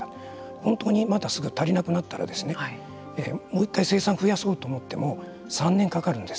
本当にまたすぐ足りなくなったらもう一回、生産を増やそうと思っても３年かかるんです。